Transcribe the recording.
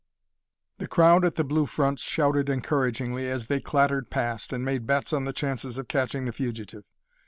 The crowd at the Blue Front shouted encouragingly as they clattered past, and made bets on the chances of catching the fugitive.